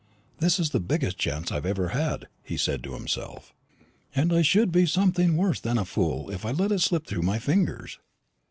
"This is the biggest chance I've ever had," he said to himself, "and I should be something worse than a fool if I let it slip through my fingers."